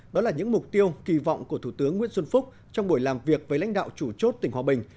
đó là những mục tiêu kỳ vọng của thủ tướng nguyễn xuân phúc trong buổi làm việc với lãnh đạo chủ chốt tỉnh hòa bình